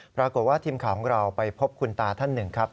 ปรากฏว่าทีมข่าวของเราไปพบคุณตาท่านหนึ่งครับ